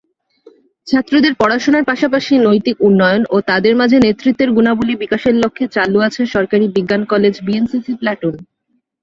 ছাত্রদের পড়াশোনার পাশাপাশি নৈতিক উন্নয়ন ও তাদের মাঝে নেতৃত্বের গুণাবলী বিকাশের লক্ষে চালু আছে সরকারি বিজ্ঞান কলেজ বিএনসিসি প্লাটুন।